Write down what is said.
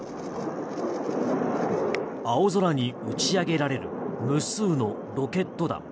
青空に打ち上げられる無数のロケット弾。